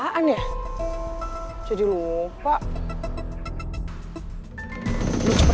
tangguhan anda kowe ibu selalu menolong ikan moochstage sih papat